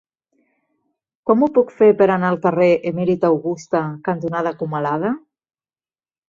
Com ho puc fer per anar al carrer Emèrita Augusta cantonada Comalada?